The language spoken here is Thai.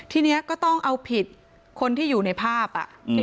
ทีนี้ก็ต้องเอาผิดคนที่อยู่ในภาพ